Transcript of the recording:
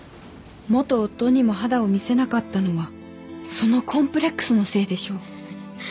元夫にも肌を見せなかったのはそのコンプレックスのせいでしょう。